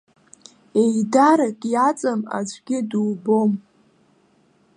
Еидарак иаҵам аӡәгьы дубом.